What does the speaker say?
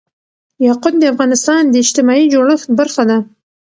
یاقوت د افغانستان د اجتماعي جوړښت برخه ده.